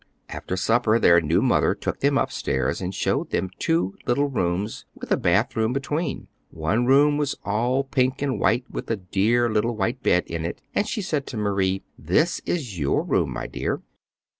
After supper their new mother took them upstairs and showed them two little rooms with a bathroom between. One room was all pink and white with a dear little white bed in it, and she said to Marie, "This is your room, my dear."